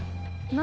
何？